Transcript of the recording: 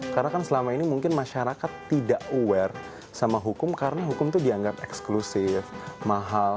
karena kan selama ini mungkin masyarakat tidak aware sama hukum karena hukum itu dianggap eksklusif mahal